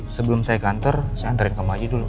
sebelum saya ke kantor saya antarin kamu aja dulu